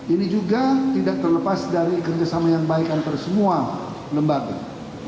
ini juga tidak terlepas dari kerjasama yang baik antara semua lembaga